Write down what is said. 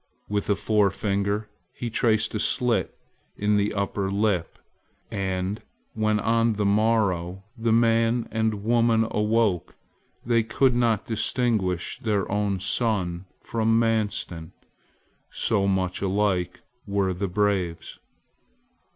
With a forefinger he traced a slit in the upper lip; and when on the morrow the man and woman awoke they could not distinguish their own son from Manstin, so much alike were the braves.